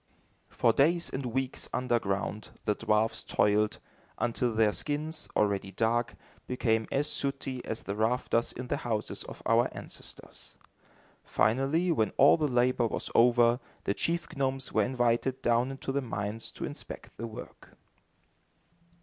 For days and weeks underground, the dwarfs toiled, until their skins, already dark, became as sooty as the rafters in the houses of our ancestors. Finally, when all the labor was over, the chief gnomes were invited down into the mines to inspect the work.